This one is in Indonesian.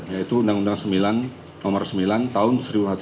yaitu undang undang sembilan nomor sembilan tahun seribu sembilan ratus sembilan puluh